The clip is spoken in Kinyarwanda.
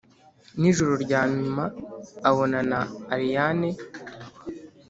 nijoro ryanyuma abonana allayne.